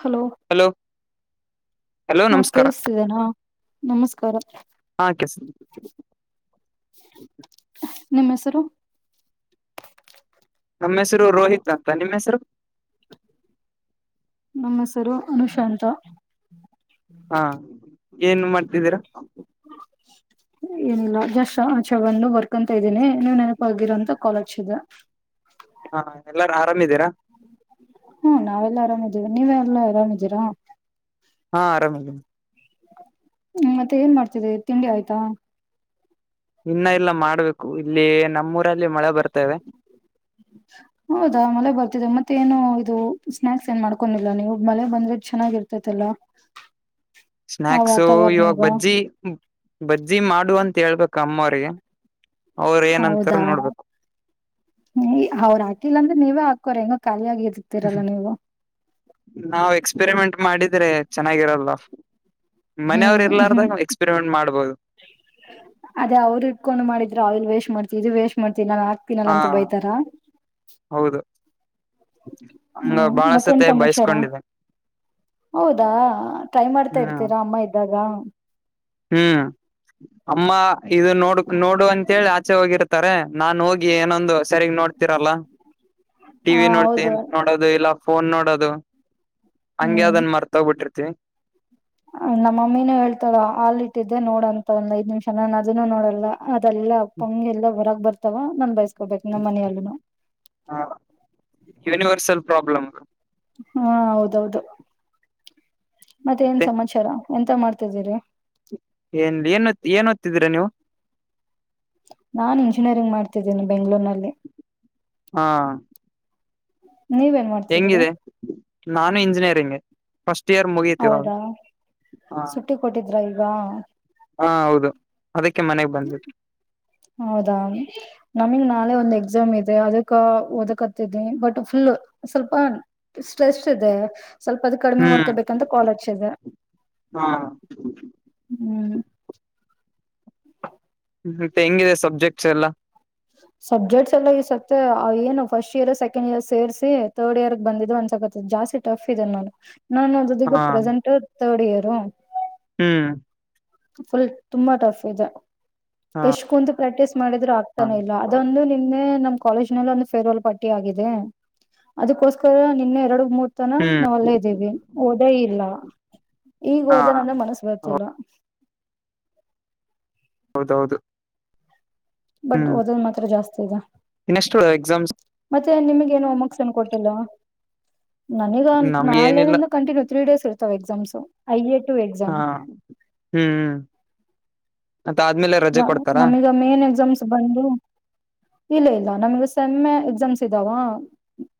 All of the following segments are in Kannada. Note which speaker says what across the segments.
Speaker 1: ಹಲೋ
Speaker 2: ಹಲೋ
Speaker 1: ಹಾ
Speaker 2: ನಮಸ್ಕಾರ
Speaker 1: ಕಲ್ಿಸತಿದೆೇನಾ ನಮಸ್ಕಾರ
Speaker 2: ಹ [unintelligible]
Speaker 1: ನಿಮ್ಮ ಹೆಸರು
Speaker 2: ನಮ್ಮ ಹೆಸರು ರೋಹಿತ್ ಅಂತ ನಿಮ್ಮ್ ಹೆಸರು
Speaker 1: ನಮ್ಮ ಹೆಸರು ಅನುಶಾಂತ
Speaker 2: ಹಾ ಏನ್ ಮಾಡ್ತಿದ್ದೀರಾ
Speaker 1: ಇಲ್ಲ ಜಸ್ ಆ ಚೆವನ್ನು ಬರ್ಕೊಂತ ಇದ್ದೀನಿ ನೀವ್ ನನಪ ಹಗಿರಂತ ಕಾಲೇಜ ಇದೆ
Speaker 2: ಹಾ ಎಲ್ಲಾರ ಆರಾಮಿದೀರಾ
Speaker 1: ಹ್ಮ್ ನಾವೆಲ್ಲ ಆರಾಮಿದ್ದೀವಿ ನೀವೆಲ್ಲಾ ಆರಾಮಿದ್ದೀರಾ
Speaker 2: ಹಾ ಆರಾಮಿದೀನಿ
Speaker 1: ಹ್ಮ ಮತ್ತೆ ಏನ್ ಮಾಡ್ತಿದೆ ತಿಂಡಿ ಆಯ್ತಾ
Speaker 2: ಇನ್ನ ಇಲ್ಲ ಮಾಡ್ಬೇಕು ಇಲ್ಲಿ ನಮ್ಮೂ
Speaker 1: ಹೌದಾ ಮಲೆ ಬರ್ತಿದೆ ಮತ್ತೆ ಮತ್ತೇ ಏನು ಇದು ಸ್ನಾಯಕ್ಸ್ ಏನ್ ಮಾಡ್ಕೊಂಡಿಲ್ಲ ನೀವು ಮಳೆ ಬಂದ್ರೆ ಚೆನ್ನಾಗಿ ಇರ್ತೈತಲ್ಲ? [unintelligible]
Speaker 2: ಸ್ನಾಯಕ್ಸು ಇವಾಗ ಬಜ್ಜಿ ಬಜ್ಜಿ ಮಾಡು ಅಂತ ಹೇಳ್ಬೇಕ ಅಮ್ಮ ಅವರಿಗೆ. [unintelligible]
Speaker 1: ಹೌದಾ ನೀ ಅವ್ರ ಹಾಕಿಲ್ಲ ಅಂದ್ರೆ ನೀವೇ ಹಾಕ್ [unintelligible] ಅವರ ಏನೋ ಖಾಲಿ ಯಾಗಿತ್ತೀರಲ್ಲ ನೀವು? [unintelligible]
Speaker 2: ನಾವ್ ಎಕ್ಸ್ಪೆರಿಮೆಂಟ್ ಮಾಡಿದ್ರೆ ಚೆನ್ನಾಗಿರಲ್ಲ?
Speaker 1: ಹ್ಮ್
Speaker 2: ಮನೆಯವರ
Speaker 1: ಹ್ಮ್
Speaker 2: ಇಲಾರ್ದಾಗ ಎಕ್ಸ್ಪೆರಿಮೆಂಟ್ ಮಾಡ್ಬೋದು?
Speaker 1: ಅದೇ ಅವರ ಇಟ್ಕೊಂಡು ಮಾಡಿದ್ರ ಆಯಿಲ್ ವೇಸ್ಟ್ ಮಾಡ್ತಿದ್ದೆ ವೇಸ [unintelligible] ಏನರ ಹಾಕ್ತೀನಲ್ಲ
Speaker 2: ಹಾ
Speaker 1: ಅಂತ ಬೈತಾರ?
Speaker 2: ಹೌದು
Speaker 1: [unintelligible]
Speaker 2: ಹಂಗ
Speaker 1: ಹ್ಮ್
Speaker 2: ಬಾಳ
Speaker 1: ಮತ್ತೇನ್
Speaker 2: ಸತೆ
Speaker 1: ಸಮಾಚಾರ
Speaker 2: ಬಯಸ್ಕೊಂಡಿದೆ. [unintelligible]
Speaker 1: ಹೌದಾ ಟ್ರೈ ಮಾಡ್ತಾ ಇರ್ತೀರಾ ಅಮ್ಮ ಇದ್ದಾಗ? [unintelligible]
Speaker 2: ಹೂ ಅಮ್ಮ ಇದು ನೋಡ್ ನೋಡು ಅಂತೇಳಿ ಆಚೆ ಹೋಗಿರ್ತಾರೆ? [unintelligible] ನಾನ್ ಹೋಗಿ ಏನೊಂದು ಸರಿಗ್ ನೋಡ್ತಿರಲ್ಲ
Speaker 1: ಹ
Speaker 2: ಟಿವಿ ನೋಡ್ತೀ
Speaker 1: ಹೌದು
Speaker 2: ನೋಡೋದು ಇಲ್ಲ. [unintelligible] ಫೋನ್ ನೋಡದು ಹಂಗೆ ಅದನ್ ಮರ್ತೋಗ್ಬಿಟ್ಟಿರ್ತಿವಿ.
Speaker 1: ನಮ್ಮಮ್ಮಿನೂ ಹೇಳ್ತತಾರ ಹಲ್ ಇಟ್ಟಿದ್ದೆ ನೋಡ ಅಂತ ಒಂದ್ ಐದ್ ನಿಮಿಷ ನಾನ ಅದನ್ನೂ ನೋಡಲ್ಲ. ಅದೆಲ್ಲಾ ಪಂಗೆ ಎಲ್ಲ ಹೊರಕ್ ಬರ್ತಾವ ನಾ ಬಯಸ್ಕೊಬೇಕು ನಮ್ಮ ಮನೆಯಲ್ಲನು. [unintelligible]
Speaker 2: ಸ್ವಲ್ಪ ಪ್ರಾಬ್ಲಮ್ [unintelligible]
Speaker 1: ಹಾ ಹೌದ ಹೌದ ಮತ್ತೆ ಏನ್ ಸಮಾಚಾರ ಎಂತ ಮಾಡ್ತಿದ್ದೀರಿ? [unintelligible]
Speaker 2: ಎಂದ ಏನ್ ಏನ್ ಓದ್ತಿದ್ದೀರಾ ನೀವು? [unintelligible]
Speaker 1: ನಾನ್ ಇಂಜಿನಿಯರಿಂಗ್ ಮಾಡ್ತಿದ್ದೀನಿ ಬೆಂಗಳೂರಿನಲ್ಲಿ. [unintelligible]
Speaker 2: ಹಾ [unintelligible]
Speaker 1: ನೀವೇನ್
Speaker 2: ಹೆಂಗ
Speaker 1: ಮಾಡ್ತಿದ್ರಿ
Speaker 2: ಇದೆ ನಾನು ಇಂಜಿನಿಯರಿಂಗ್. [unintelligible] ಫಸ್ಟ್ ಇಯರ್ ಮುಗಿತ ಇವಾಗ
Speaker 1: ಹೌದಾ
Speaker 2: ಹಾ
Speaker 1: ಸುಟ್ಟಿ ಕೊಟ್ಟಿದ್ರ ಈಗ
Speaker 2: ಹಾ ಹೌದ [unintelligible]
Speaker 1: ಹೌದಾ ನಮಗ್ ನಾಳೆ ಒಂದು ಎಕ್ಸಾಮ್ ಇದೆ ಅದ [unintelligible] ಕ ಓದಕತ್ತಿದೇ ಬಟ್ ಫುಲ್ ಸ್ವಲ್ಪ ಸ್ಟ್ರೆಸ್ಟ್ ಇದೆ. [unintelligible] ಸ್ವಲ್ಪ ಅದು ಕಡಿಮೆ
Speaker 2: ಹ್ಮ್
Speaker 1: ಮಾಡ್ಕೋಬೇಕಂತ ಕೊನ್ ಹಚ್ಚಿದೇ [unintelligible]
Speaker 2: ಹೌದಾ [unintelligible]
Speaker 1: ಹೂ [unintelligible]
Speaker 2: ಮತ್ತೆ ಹೆಂಗಿದೆ ಸಬ್ಜೆಕ್ಟ್ಸ್ ಎಲ್ಲಾ? [unintelligible]
Speaker 1: ಸಬ್ಜೆಕ್ಟ್ಸ್ ಎಲ್ಲ ಇಸತ್ತೆ ಏನು ಫಸ್ಟ್ ಇಯರ್ ಸೆಕೆಂಡ್ ಇಯರ್ ಸೇರ್ಸಿ ತರ್ಡ್ ಇಯರ್ ಬಂದಿದ್ರು ಅನ್ಸುತ್ತ [unintelligible] ಇವತ್ತ ಜಾಸ್ತಿ ಟಫ್ ಇದೆ ನಾನ ನಾನ ಓದಿದ್ದ ಪ್ರೆಸೆಂಟ್ ತರ್ಡ್ ಇಯರು [unintelligible]
Speaker 2: ಹೂ [unintelligible]
Speaker 1: ಫುಲ್ ತುಂಬಾ ಟಫ್ ಇದೆ
Speaker 2: ಹಾ
Speaker 1: ಎಷ್ಟ ಕುಂತು ಪ್ರಾಕ್ಟೀಸ್ [unintelligible] ಟ್ರೈ ಮಾಡಿದ್ರು ಆಗ್ತಾನೆ ಇಲ್ಲ ಅದೊಂದು ನಿಮ್ಮ [unintelligible] ನೇ ನಮ್ಮ ಕಾಲೇಜ್ ನಲ್ಲಿ ಒಂದು ಫೇರ್ವೆಲ್ ಪಾರ್ಟಿ ಆಗಿದೆ ಅದಕ್ಕೋಸ್ಕರ ನಿನ್ನ ಎರಡು ಮೂರು [unintelligible] ತನ
Speaker 2: ಹ್ಮ್
Speaker 1: ನಾವ್ ಅಲ್ಲೇ ಇದ್ದೇವಿ ಓದೇ ಇಲ್ಲ? [unintelligible] ಈಗ
Speaker 2: ಹಾ
Speaker 1: ಓದೋಣ ಅಂದರ್ ಮನಸ್ ಬರ್ತಿಲ್ಲ? [unintelligible]
Speaker 2: ಹೌದ ಹೌದು? [unintelligible]
Speaker 1: ಬಟ್ ಓದೋದು ಮಾತ್ರ ಜಾಸ್ತಿ ಇದೆ ಮತ್ತ?
Speaker 2: ಇನ್ನೆಷ್ಟು
Speaker 1: [unintelligible]
Speaker 2: ಎಕ್ಸಾಮ್ಸ್
Speaker 1: ಮತ್ತ ನಿಮಗೆ ಏನ್ ಹೋಮ ವರ್ಕ್ಸ್ ಅನ್ಕೊಟ್ಟಿಲ್ಲ ನನಗ
Speaker 2: ನಮ್ಗ ಏನಿಲ್ಲ
Speaker 1: ನಾಳೆನ ಕಂಟಿನ್ಯ ತ್ರೀ ಡೇಸ್ ಇರ [unintelligible] ತ್ತ ಎಸಾಮ್ಸ್ ಐ ಎ [unintelligible]
Speaker 2: ಹಾ ಹೂ [unintelligible]
Speaker 1: ನ ನಮ್ಮಗೆ ಮೇನ್ ಎಕ್ಸಾಮ್ಸ್ ಬಂದು ಇಲ್ಲೇ ಇಲ್ಲ ನನಗ ಸ [unintelligible] ಸಮ್ಮೆ ಎಕ್ಸಾಮ್ಸ್ ಇದಾವ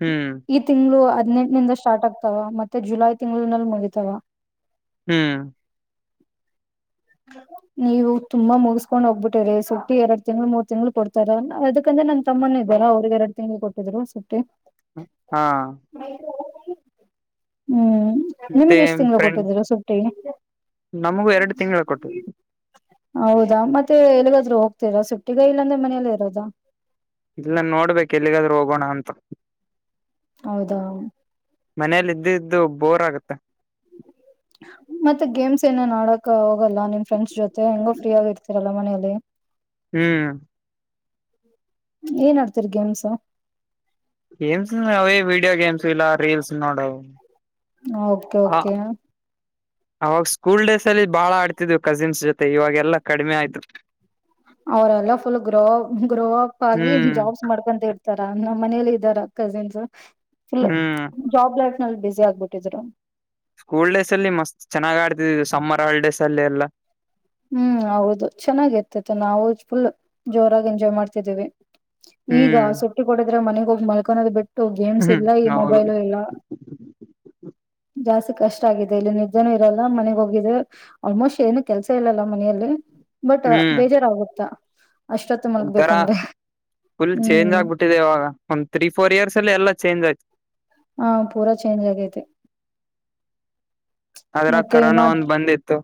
Speaker 2: ಹ್ಮ್
Speaker 1: ಈ ತಿಂಗಳು ಅ [unintelligible] ಹದಿನೆಂಟ ಸ್ಟಾರ್ಟ್ ಆಗ್ತವ ಮತ್ತೆ ಜುಲೈ ತಿಂಗಳ ನಲ್ಲಿ ಮುಗಿತಾವ? [unintelligible]
Speaker 2: ಹೂ [unintelligible]
Speaker 1: [unintelligible] ನೀವು ತುಂಬಾ ಮುಗಿಸಸ್ಕೊಂಡ್ ಹೋಗ್ಬಿಟ್ಟಿರರಿ ಸುಟ್ಟಿ ಎರಡ್ ತಿಂಗಳ ಮೂರ್ ತಿಂಗಳು ಕೊಡ್ತಾರ ಅದಕಂದ್ರೆ ನನ್ನ ತಮ್ಮನ ಇಲ್ಲ [unintelligible] ಅದ ಎಲ್ಲಾ ಅವರಗೇ ಎರಡು ತಿಂಗಳು ಕೊಟ್ಟಿದ್ರು ಸುಟ್ಟಿ. [unintelligible]
Speaker 2: ಹಾ [unintelligible]
Speaker 1: ಹ್ಮ್
Speaker 2: ಮತ್ತೆ
Speaker 1: ನಿಮ್ಗೆ ಎಷ್ಟ್ ತಿನ್ಗಳು
Speaker 2: ಫ್ರೆಂಡ್
Speaker 1: ಕೊಟ್ಟಿದೀರು ಸುಟ್ಟಿಗೆ
Speaker 2: ನಮಗೂ ಎರಡು ತಿಂಗಳು ಕೊಟ್ಟ
Speaker 1: ಹೌದಾ ಮತ್ತೆ ಎಲ್ಗಾದ್ ಹೋಗ್ತೀರಾ ಸುಟ್ಟಿಗ ಇಲ್ಲಾಂದ್ರೆ ಮನೇಲ್ಲ ಇರೋದಾ
Speaker 2: ಇಲ್ಲ ನೋಡ್ಬೇಕಕ್ ಎಲ್ಲಿಗಾದ್ರೂ ಹೋಗೋಣ ಅಂತ
Speaker 1: ಹೌದಾ
Speaker 2: ಮನೇೆಯಲ್ಲಿ ಇದ್ದ ಇದ್ದು ಬೋರ್ ಆಗುತ್ತೆ
Speaker 1: ನೆ ನಾಡಕ ಹೋಗಲ್ಲ ನಿಮ್ ಫ್ರೆಂಡ್ಸ್ ಜೊತೆ ಹೆಂಗೋ ಫ್ರೀ ಆಗಿರ್ತೀರಲ್ಲಾ ಮನೆಯಲ್ಲಿ
Speaker 2: ಹ್ಮ್
Speaker 1: ಏನ್ ಆಡ್ತರಿ ಗೇಮ್ಸ
Speaker 2: ಗೇಮ್ಸ್ ಹ ವಿಡಿಯೋ ಗೇಮ್ಸ್ ಇ ರೀಲ್ಸ್ ನೋಡ
Speaker 1: ಓಕೆ
Speaker 2: ಹ
Speaker 1: ಓಕೆ
Speaker 2: ಅವಾಗ ಸ್ಕೂಲ್ ಡೇಸ್ ಅಲ್ಲಿ ಬಾಳ ಆಡ್ತಿದ್ವು ಕಸಿನ್ಸ್ ಜೊತೆ ಇವಾಗೆಲ್ಲಾ ಕಡಿಮೆ ಆಯ್ತು
Speaker 1: ಅವರೆಲ್ಲ ಫುಲ್ ಗ್ರೋ ಗ್ರೋ ಅಪ್ ಆಗಿ
Speaker 2: ಹ್ಮ್
Speaker 1: ಜಾಬ್ಸ್ ಮಾಡ್ಕೊಂತ ಇರ್ತಾರ ಮನೇಲಿ ಇದ್ದಾರ ಕಸಿನ್ಸ್ ಫುಲ್
Speaker 2: ಹ್ಮ್
Speaker 1: ಜಾಬ್ ಲೈಫ್ ನಲ್ಲಿ ಬಿಸಿ ಆಗ್ಬಿಟ್ಟಿದ್ರು
Speaker 2: ಸ್ಕೂಲ್ ಡೇಸ್ ಅಲ್ಲಿ ಮಸ್ತ್ ಚೆನ್ನಾಗ್ ಆಡ್ತಿದ್ ಸಮ್ಮರ್ ಹಾಲಿಡೇಸ್ ಅಲ್ಲಿ ಎಲ್ಲ
Speaker 1: ಹ್ಮ್ ಹೌದು ಚೆನ್ನಾಗಿ ಇರ್ತಿತ್ತು ನಾವು ಫುಲ್ ಜೋರಾಗಿ ಎಂಜಾಯ್ ಮಾಡ್ತಿದ್ದೀವಿ ಈಗ
Speaker 2: ಹ್ಮ್
Speaker 1: ಸುಟ್ಟಿ ಕೊಡದ್ರೆ ಮನೆಗ್ ಹೋಗಿ ಮಲ್ಕೊನೋದು್ ಬಿಟ್ಟು ಗೇಮ್ಸ್
Speaker 2: ಹ್ಮ್
Speaker 1: ಇಲ್ಲ ಈ
Speaker 2: ಹೌದು
Speaker 1: ಮೊಬೈಲು ಇಲ್ಲ ಜಾಸ್ತಿ ಕಷ್ಟ ಆಗಿದೆ ಇಲ್ಲಿ ನಿಜೆನೂ ಇರಲ್ಲ ಮನೆಗ್ ಹೋಗಿದ್ದ ಆಲ್ಮೋಸ್ಟ್ ಏನು ಕೆಲ್ಸ ಇಲ್ಲಲ್ಲ ಮನೆಯಲ್ಲಿ ಬಟ್
Speaker 2: ಹ್ಮ್
Speaker 1: ಬೇಜಾರಾಗುತ್ತಾ ತ್ತು
Speaker 2: ಒಂಥರಾ
Speaker 1: ಮಲ್ಗಕಂದ್ರೆ [inaudible]
Speaker 2: ಫುಲ್ ಚೇಂಜ್ ಆಗ್ಬಿಟ್ಟಿದೆ ಇವಾಗ ಒಂದ್ ತ್ರೀ ಫೋರ್ ಇಯರ್ಸ್ ಅಲ್ಲಿ ಎಲ್ಲ ಚೇಂಜ್ ಆಗ್ತಿದೆ
Speaker 1: ಹಾ ಪೂ ಚೇಂಜ ಆಗತೆ
Speaker 2: ಅದ್ರಾಗ ಕರೋನಾ ಒಂದ್ ಬಂದಿತ್ತು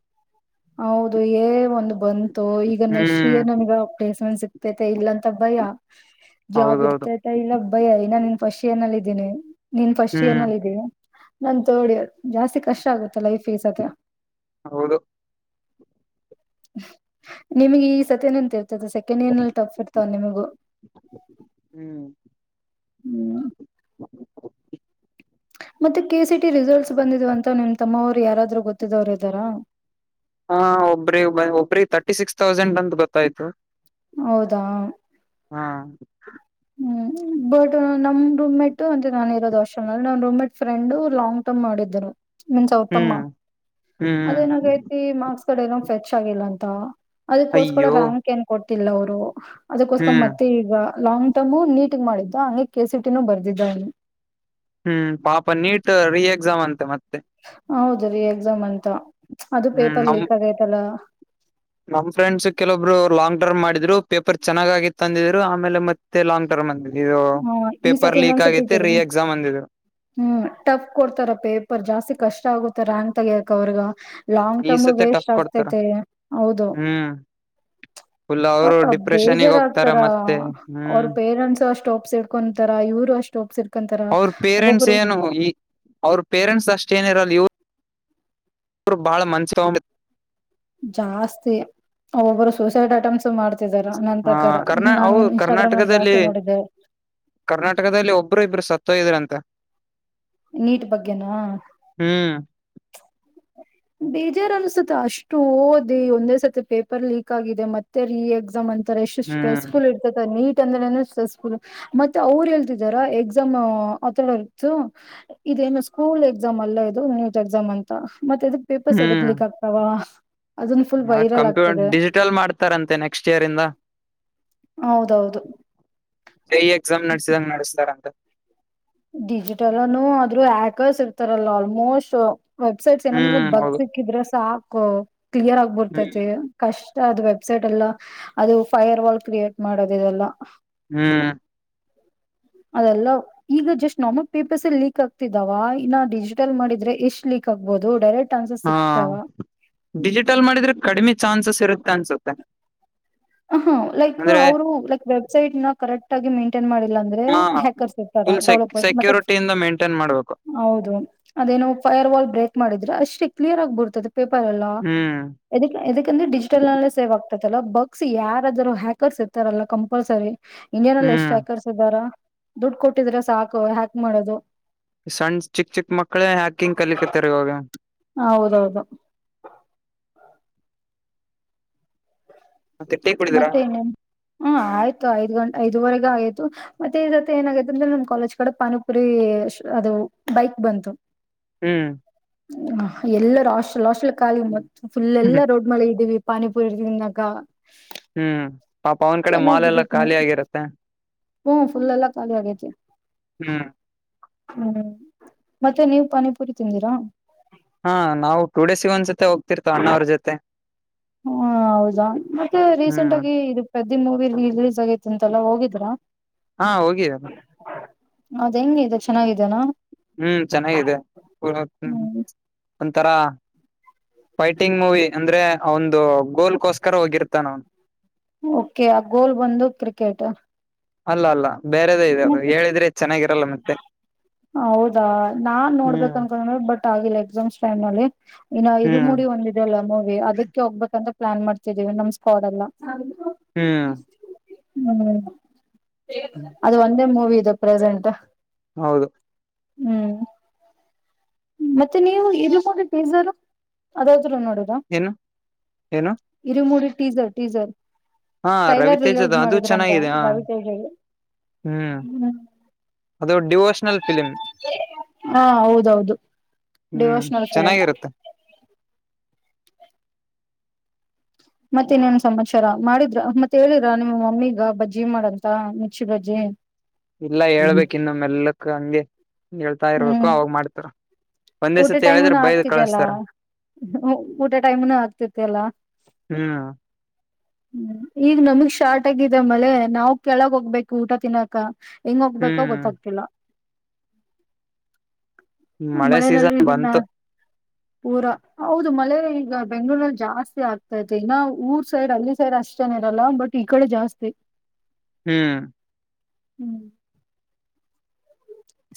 Speaker 1: ಹೌದು ಏ ಒಂದು ಬಂತು ಈಗ ನೆಕ್ಸ್ಟ್
Speaker 2: ಹ್ಮ್
Speaker 1: ಇಯರ್ ನಮಗ ಪ್ಲೇಸ್ಮೆಂಟ್ ಸಿಗ್ತೈತೆ ಇಲ್ಲ ಬಯ ಜಾಬ್
Speaker 2: ಹೌದೌದು
Speaker 1: ಇರ್ತತಾ ಇಲ್ಲ ಭಯ್ಯ ಇನ್ನ ನಿನ್ ಪಶ ಏನಲ್ಲ ಇದಿದ್ದೀನಿ ನೀನ್ ಫಸ್ಟ್ ಇಯರ್
Speaker 2: ಹ್ಮ್
Speaker 1: ನಲ್ಲಿ ಇದೀ ನನ್ ತೋಡಿ ಜಾಸ್ತಿ ಕಷ್ಟ ಆಗುತ್ತಾ ಲೈಫ್ ಈಸತ್ತ
Speaker 2: ಹೌದು
Speaker 1: ನಿಮಗೆ ಈ ಸತ್ಯನೆಂತ ಸೆಕೆಂಡ್ ಇಯರ್ ನಲ್ಲಿ ತಪ್ಪಿರ್ತವ ನಿಮಗು
Speaker 2: ಹ್ಮ್
Speaker 1: ಹ್ಮ್ ಮತ್ತೆ ಕೆಸಿಟಿ ರಿಸಲ್ಟ್ಸ್ ಬಂದಿದವ ಅಂತ ನಿಮ್ಮ ತಮ್ಮವರು ಯಾರಾದ್ರೂ ಗೊತ್ತಿದವ್ರು ಇದ್ದಾರಾ
Speaker 2: ಹಾ ಒಬ್ಬ್ರಿ ಒಬ್ ಒಬ್ಬ್ರಿ ತರ್ಟಿ ಸಿಕ್ಸ್ ತೌಸಂಡ್ ಅಂತ ಗೊತ್ತಾಯ್ತು
Speaker 1: ಹೌದಾ
Speaker 2: ಹಾ
Speaker 1: ಹ್ಮ್ ಬಟ್ ನಮ್ ರೂಮ್ ಮೇಟ್ ಅಂತ ನಾನನ್ ಇರೋದ ವರ್ಷ ನ್ ರೂಮ ಮೇಟ್ ಫ್ರೆಂಡ್ ಲಾಂಗ್ ಟ್ ಮಾಡಿದ್ದರು ಮನ್ಸ ಉತ್ತಮ್ಮ
Speaker 2: ಹ್ಮ್ ಹ್ಮ್
Speaker 1: ಅದೇನಾಗೈತಿ ಮಾರ್ಕ್ಸ್ ಕಡೆ ಏನ ಫ್ರೆಚ್ ಆಗಿಲ್ಲ ಅಂತ ಅದಕ್ಕೋಸ್ಕರ
Speaker 2: ಅಯ್ಯೋ
Speaker 1: ರ್ಯಾಂಕ್ ಏನ್ ಕೊಡ್ತಿಲ್ಲ ಅವರು ಅದಕ್ಕೋಸ್ಕರ
Speaker 2: ಹ್ಮ್
Speaker 1: ಮತ್ತೆ ಈಗ ಲಾಂಗ್ ತಂಬು ನೀಟಗ್ ಮಾಡಿದ್ದ ಹಗೆ ಕೆ ಸಿ ಟಿನೂ ಬರ್ದಿದ್ದ ಇಲ್ಲಿ
Speaker 2: ಹ್ಮ್ ಪಾಪ ನೀಟ್ ರಿ ಎಕ್ಸಾಮ್ ಅಂತೆ ಮತ್ತೆ
Speaker 1: ಹೌದ ರೀ ಎಕ್ಸಾಮ್ ಅಂತ ಅದು ಪೇಪರ್ ಲೀಕ್ ಆಗೈತಲ್ಲ
Speaker 2: ನಮ ಫ್ರಂಡ್ಸ್ ಕೆಲವೊಬ್ರು ಲಾಂಗ್ ಟರ್ಮ್ ಮಾಡಿದ್ರು ಪೇಪರ್ ಚೆಾಗಾಗಿತ್ತು ತಂದಿದ್ರು ಆಮೇಲೆ ಮತ್ತೆ ಲಾಂಗ್ ಟರ್ಮ್ ಅಂದಿದ್ರು ಇದು
Speaker 1: ಹಾ ಈ
Speaker 2: ಪೇಪರ್
Speaker 1: ಸತಿ
Speaker 2: ಲೀಕ್
Speaker 1: ಇನ್ನೊಂದ್ ಸತಿ
Speaker 2: ಆಗೈತಿ
Speaker 1: ಇಟ್ಟೇಳ
Speaker 2: ರಿ ಎಕ್ಸಾಮ್ ಅಂದಿದ್ರು
Speaker 1: ಹ್ಮ್ ಟಫ್ ಕೊಡ್ತಾರ ಪೇಪರ್ ಜಾಸ್ತಿ ಕಷ್ಟ ಆಗತಾರ ಅಂಗ ತಗಕ್ ಅವ್ರಗ ಲಾಂಗ್
Speaker 2: ಈ
Speaker 1: ಟರ್ಮ್
Speaker 2: ಸತಿ
Speaker 1: ವೇಸ್ಟ್
Speaker 2: ಟಫ್ ಕೊಡ್ತಾರ
Speaker 1: ಆಗ್ತೈತೆ ಹೌದು
Speaker 2: ಹ್ಮ್ ಫುಲ್ ಅವರು
Speaker 1: ಅಪ
Speaker 2: ಡಿಪ್ರೆಷನ್ಗ ಹೋಗ್ತಾರ
Speaker 1: ಬೇಜಾರಾಗ್ತಾರ
Speaker 2: ಮತ್ತೆ
Speaker 1: ಅವ್ರ
Speaker 2: ಹ್ಮ್
Speaker 1: ಪೇರೆಂಟ್ಸ್ ಅಷ್ಟುಪ್ಸ ಸಿಡ್ಕೊಂತಾರ ಇವರು ಅಷ್ಟ ಒಬ ಸಿಡ್ಕೊಂತಾರ
Speaker 2: ಅವ್ರ ಪೇರೆಂಟ್ಸ್
Speaker 1: ಒಬ್ಬೊಬ್ಬರು
Speaker 2: ಏನು ಈ ಅವ್ರ ಪೇರೆಂಟ್ಸ್ ಅಷ್ಟೇಏನಿರಲ್ಲ ಇ ಅವರು ಬಾಳ ಮಂಚ್ ತೊಂಡ
Speaker 1: ಜಾಸ್ತಿ ಒಬ್ಬೊಬ್ಬರು ಸೂಸೈಡ್ ಐಟಮ್ಸ್ ಮಾಡ್ತ ನನ್ನ
Speaker 2: ಹ
Speaker 1: ಪ್ರಕಾರ
Speaker 2: ಕರ್ನಾ ಅವು
Speaker 1: ನಾನು ಇನ್ಸ್ಟಾಗ್ರಾಮ್ ನಲ್ಲಿ
Speaker 2: ಕರ್ನಾಟಕದಲ್ಲಿ
Speaker 1: ಜಾಸ್ತಿ ನೋಡಿದ್ದೇೆ
Speaker 2: ಕರ್ನಾಟಕದಲ್ಲಿ ಒಬ್ಬರು ಇಬ್ರು ಸತ್ತೋ ಇದ್ರಂತೆ
Speaker 1: ನೀಟ್ ಬಗ್ಗೆನಾ
Speaker 2: ಹ್ಮ್
Speaker 1: ಬೇಜಾರ್ ಅನ್ಸುತ್ತ ಅಷ್ಟು ಓದಿ ಒಂದೇ ಸತಿ ಪೇಪರ್ ಲೀಕ್ ಆಗಿದೆ ಮತ್ತೆ ರೀ ಎಕ್ಸಾಮ್ ಅಂತ ಎಷ್ಟು
Speaker 2: ಹ್ಮ್
Speaker 1: ಸ್ಟ್ರೆಸ್ಫುಲ್ ಇರ್ತದೆ ನೀಟ್ [unintelligible] ಮತ್ತೆ ಅವರು ಹೇಳ್ತಾರ ಎಕ್ಸಾಮ್ ಆಥರ ಇತ ಇದೇನು ಸ್ಕೂಲ್ ಎಕ್ಸಾಮ್ ಅಲ್ಲ ಇದು ನೀಟ್ ಎಕ್ಸಾಮ್ ಅಂತ ಮತ್ತೆ ಇದಕ್ ಪೇಪರ್ಸ್ ಅದಕ್
Speaker 2: ಹ್ಮ್
Speaker 1: ಲೀಕ್ ಆಗ್ತಾವ ಅದನ್ ಫುಲ್ ವೈರಲ್
Speaker 2: ಕಂಪ್ಯೂ
Speaker 1: ಆಗ್ತದೆ
Speaker 2: ಡಿಜಿಟಲ್ ಮಾಡ್ತಾರಂತೆ ನೆಕ್ಸ್ಟ್ ಇಯರ್ ಇಂದ
Speaker 1: ಹೌದೌದು
Speaker 2: [unintelligible] ಎಕ್ಸಾಮ್ ನಡ್ಸಿದಂಗ ನಡೆಸ್ತಾರಂತ
Speaker 1: ಡಿಜಿಟಲ್ನು ಆದ್ರೂ ಹ್ಯಾಕರ್ಸ್ ಇರ್ತಾರಲ್ಲ ಆಲ್ಮೋಸ್ಟ್ ವೆಬ್ಸೈಟ್ಸ್ ಏನಂದ್ರ
Speaker 2: ಹ್ಮ್
Speaker 1: ಬಗ್
Speaker 2: ಹೌದು
Speaker 1: ಸಿಕ್ಕಿದ್ರೆ ಸಾಕು ಕ್ಲಿಯರ್
Speaker 2: ಹ್ಮ್
Speaker 1: ಆಗ್ಬರ್ತೈತಿ ಕಷ್ಟ ಅದು ವೆಬ್ಸೈಟ್ ಎಲ್ಲ ಅದು ಫೈರ್ ವಾಲ್ ಕ್ರಿಯೇಟ್ ಮಾಡೋದ ಇದೆಲ್ಲ
Speaker 2: ಹ್ಮ್
Speaker 1: ಅದೆಲ್ಲ ಈಗ ಜಸ್ಟ್ ನಮ ಪೇಪರ್ಸ್ಲ್ಲಿ ಲೀಕ್ ಆಗ್ತಿದ್ದಾವ ಇನ್ನ ಡಿಜಿಟಲ್ ಮಾಡಿದ್ರೆ ಎಷ್ಟ್ ಲೀಕ್ ಆಗ್ಬಹದುಡೈರೆಕ್ಟ್
Speaker 2: ಹಾ ಡಿಜಿಟಲ್ ಮಾಡಿದ್ರೆ ಕಡಿಮೆ ಚಾನ್ಸಸ್ ಇರುತ್ತೆ ಅನ್ಸುತ್ತೆ
Speaker 1: ಹ ಹ ಲೈಕ್
Speaker 2: ಅಂದ್ರೆ
Speaker 1: ಅವರು ಲೈಕ್ ವೆಬ್ಸೈಟ್ ನ ಕರೆಕ್ಟ್ ಆಗಿ ಮೈಂಟೈನ್ ಮಾಡಿಲ್ಲ ಅಂದ್ರೆ ಹ್ಯಾಕರ್ಸ್ ಇರ್
Speaker 2: ಫಲ್ ಸೆಕ್ಯೂರಿಟಿಯಿಂದ ಮೇಂಟೈನ್ ಮಾಡ್ಬೇಕು
Speaker 1: ಹೌದು ಅದೇನು ಫೈಯರ್ ವಾಲ್ ಬ್ರೇಕ್ ಮಾಡಿದ್ರೆ ಅಷ್ಟಿ ಕ್ಲಿಯರ್ ಆಗಿ ಬಿರ್ತದೆ ಪೇಪರ್
Speaker 2: ಹ್ಮ್
Speaker 1: ಎಲ್ಲಕ್ಕೆಂದ್ರೆ ಡಿಜಿಟಲ್ ನಲ್ಲ ಸೇವ್ ಆಗ್ತೈತಲ್ಲ ಬ ಯಾರಾದರೂ ಹ್ಯಾಕರ್ಸ್ ಇರ್ತಾರಲ್ಲ ಕಂಪಲ್ಸರಿ ಇಂಡಿಯನ್ಲ್ಲಿ ಎಷ್ಟು
Speaker 2: ಹ್ಮ್
Speaker 1: ಹ್ಯಾಕರ್ಸ್ ಇದ್ದಾರ ದುಡ್ಡು ಕೊಟ್ಟಿದ್ರೆ ಸಾಕು ಹಾಕ್ ಮಾಡದು
Speaker 2: ಸಣ್ಣ ಚಿಕ್ ಚಿಕ್ ಮಕ್ಳೇ ಹಾಕಿಂಗ ಕಲಿಕತ್ತರಿ ಇವಾಗ
Speaker 1: ಹೌದೌದು
Speaker 2: ಮತ್ತೆ ಟೀ ಕುಡಿದಿರಾ
Speaker 1: ಮತ್ತೆ ಇನ್ನ ಹ ಆಯ್ತು ಐದ್ ಗಂಟೆ ಇದುವರೆಗ ಆಗತು ಮತ್ತೆ ಇದ ಏನಾಗೈತಂದೆ ನಮಮ್ಮ ಕಾಲಜ್ ಕಡೆ ಪಾನಿಪುರಿ ಅದು ಬೈಕ್ ಬ ಹ
Speaker 2: ಹ್ಮ್
Speaker 1: ಹ ಎಲ್ಲ ರಾಶಲ್ಶಲ್ ಕಾಲಿ ಮತ್ತತ್ ಫುಲ್
Speaker 2: ಹ್ಮ್
Speaker 1: ಎಲ್ಲಾ ರೋಡ್ ಮಳೆ ಇದ್ದೀವಿ ಪಾನಿಪುರಿ ಇಂದಾಗ
Speaker 2: ಹ್ಮ್ ಪಾಪ ಅವನ್ ಕಡೆ ಮಾಲ್ ಎಲ್ಲಾ ಖಾಲಿ ಆಗಿರುತ್ತೆ
Speaker 1: ಹ್ಮಫುಲ್ಲ ಎಲ್ಲ ಕಾಲ ಆಗತಿ
Speaker 2: ಹ್ಮ್
Speaker 1: ಹ್ಮ್ ಮತ್ತೆ ನೀವು ಪಾನಿಪುರಿ ತಿಂದಿರಾ
Speaker 2: ಹಾ ನಾವು ಟೂ ಡೇಸ್ಿಗೆ ಒಂದ್ಸೊತೆ ಹೋಗ್ತಿರ್ತವ ಅಣ್ಣ ಅವ್ರ ಜೊತೆ
Speaker 1: ಹ್ಮ ಹೌದಾ ಮತ್ತೆ ರೀಸೆಂಟ್
Speaker 2: ಹ್ಮ್
Speaker 1: ಆಗಿ ಇ ಪ್ರದಿ ಮೂವಿಲಿ ರಿಲೀಸ್ ಆಗೈತಿ ಅಂತಲ್ಲ ಹೋಗಿದ್ರಾ
Speaker 2: ಹಾ ಹೋಗಿವಿ
Speaker 1: ಅದ್ ಹೆಂಗ ಇದೆ ಚೆನ್ನಾಗಿದೇನಾ
Speaker 2: ಹ್ಮ್ ಚೆನ್ನಾಗಿದೆಮ
Speaker 1: ಹ್ಮ್
Speaker 2: ಒಂಥರಾ ಫೈಟಿಂಗ್ ಮೂವಿ ಅಂದ್ರೆ ಒಂದು ಗೋಲ್ಕೋಸ್ಕರ ಹೋಗಿರ್ತ ನನ್
Speaker 1: ಓಕೆ ಆ ಗೋಲ್ ಬಂದು ಕ್ರಿಕೆಟ್
Speaker 2: ಅಲ್ಲ ಅಲ್ಲ ಬೇರೆದೇ ಇದೆ
Speaker 1: ಮತ್ತೆ
Speaker 2: ಹೇಳಿದ್ರೆ ಚೆನ್ನಾಗಿರಲ್ಲ ಮತ್ತೆ
Speaker 1: ಹೌದಾ ನಾನ್ ನೋಡ್ಬೇಕ
Speaker 2: ಹ್ಮ್
Speaker 1: ಅನ್ಕೊಂಡ್ರೆ ಬಟ್ ಆಗ ಎಕ್ಸಾಮ್ಸ್ ಟೈಮ್ ಅಲ್ಲಿ ಇನ್ನು
Speaker 2: ಹ್ಮ್
Speaker 1: ಇರುಮಡಿ ಒಂದಿದೆ ಅಲ್ಲ ಮೂವಿ ಅದಕ್ಕೆ ಹೋಗ್ಬೇಕಂತ ಪ್ಲಾನ್ ಮಾಡ್ತಿದೀವಿ ನಮ್ ಸ್ಕಾಡ್ ಎಲ್ಲ
Speaker 2: ಹ್ಮ್
Speaker 1: ಹ್ಮ್
Speaker 2: ಹ್ಮ್
Speaker 1: ಒಂದೆ ಮೂವಿ ಇದು ಪ್ರೆಸೆಂಟ್
Speaker 2: ಹೌದು
Speaker 1: ಹ್ಮ್ ಮತ್ತೆ ನೀವು ಇಜು [unintelligible] ಅದ ನೋಡದ
Speaker 2: ಏನು ಏನು
Speaker 1: ಇರು ಮೂಡಿ ಟೀಸರ್ ಟೀಸರ್
Speaker 2: ಹಾ
Speaker 1: ಟ್ರೈಲರ್
Speaker 2: ರವಿತೇಜದ
Speaker 1: ರಿಲೀಸ್
Speaker 2: ಅದು
Speaker 1: ಮಾಡಿದ್ರಂತ
Speaker 2: ಚೆನ್ನಾಗಿದೆ ಹ
Speaker 1: ರವಿ ತೇಜಗೆ ಹ್ಮ್
Speaker 2: ಅದು ಡಿವೋಷನಲ್ ಫಿಲಿಮ್
Speaker 1: ಹಾ ಹೌದೌದು
Speaker 2: ಹ್ಮ್
Speaker 1: ಡಿವೋಷನಲ್ ಫಿಲಂ
Speaker 2: ಚೆನ್ನಾಗಿರುತ್ತೆ
Speaker 1: ಮತ್ತೆ ಇನ್ನೇನ್ ಸಮಾಚಾರ ಮಾಡಿದ್ರ ಮತ್ತೆ ಹೇಳಿದ್ರ ನಿಮ್ಮ ಮಮ್ಮಿಗ ಬಜ್ಜಿ ಮಾಡಂತ ಮೆಣ್ಸಿ ಬಜ್ಜಿ
Speaker 2: ಇಲ್ಲ ಹೇಳ್ಬೇಕ್ ಇನ್ನು ಮೆಲ್ಲಕ್ಕ ಹಂಗೆ ಹೇಳ್ತಾ ಇರ್ಬೇಕು
Speaker 1: ಹ್ಮ್
Speaker 2: ಅವಾಗ ಮಾಡ್ತಾರ ಒಂದೇ
Speaker 1: ಊಟ
Speaker 2: ಸತಿ ಹೇಳಿದ್ರೆ
Speaker 1: ಟೈಮನು
Speaker 2: ಬೈದ್
Speaker 1: ಆಗ್ತಿದೆ ಅಲ್ಲ
Speaker 2: ಕಳಸ್ತಾರ
Speaker 1: ಊಟ ಟೈಮ್ನು ಆಗ್ತಿದೆ ಅಲ್ಲ
Speaker 2: ಹ್ಮ್
Speaker 1: ಈಗ ನಮಗ್ ಶಾರ್ಟ ಆಗಿದೆ ಮಳೆ ನಾವು ಕೆಳಗ ಹೋಗ್ಬೇಕು ಊಟ ತಿನ್ನಾಕ ಹೆಂಗ್ ಹೋಗ್ಬೇಕೋ
Speaker 2: ಹ್ಮ್
Speaker 1: ಗೊತ್ತಾಗ್ತಿಲ್ಲ
Speaker 2: ಮಳೆ
Speaker 1: ಮಳೆಯಲ್ಲಿ
Speaker 2: ಸೀಸನ್
Speaker 1: ಇದಿನ್ನ
Speaker 2: ಬಂತು
Speaker 1: ಪೂರ ಹೌದು ಮಳೆ ಈಗ ಬೆಂಗಳೂರಲ್ಲಿ ಜಾಸ್ತಿ ಆಗ್ತಾತೆ ಇನ್ನ ಊರ್ ಸೈಡ್ ಅಲ್ಲಿ ಸೈಡ್ ಅಷ್ಟ ಜನ ಇರಲ್ಲ ಬಟ್ ಈ ಕಡೆ ಜಾಸ್ತಿ [inaudible]
Speaker 2: ಹ್ಮ್
Speaker 1: [inaudible]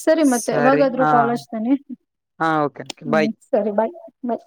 Speaker 1: ಸರಿ ಮತ್ತೆ ಯವಾಗಾದ್ರು ಕಾಲ್ ಹಚ್ಚತಿನಿ
Speaker 2: ಹಾ ಓಕೆ ಬಾಯ್
Speaker 1: ಹ್ಮ ಸರಿ ಬಾಯ್ ಮತ್